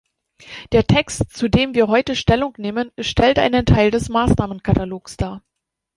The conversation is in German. Der Text, zu dem wir heute Stellung nehmen, stellt einen Teil dieses Maßnahmenkatalogs dar.